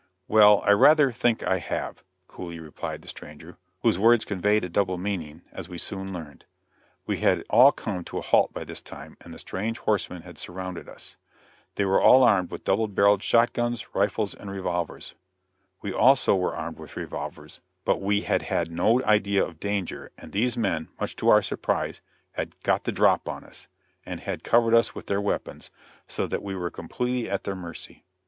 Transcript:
"Well, I rather think I have," coolly replied the stranger, whose words conveyed a double meaning, as we soon learned. We had all come to a halt by this time, and the strange horsemen had surrounded us. They were all armed with double barreled shot guns, rifles and revolvers. We also were armed with revolvers, but we had had no idea of danger, and these men, much to our surprise, had "got the drop" on us, and had covered us with their weapons, so that we were completely at their mercy.